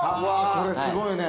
これすごいね。